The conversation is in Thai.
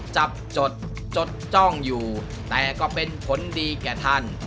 จับจดจดจ้องอยู่แต่ก็เป็นผลดีแก่ท่าน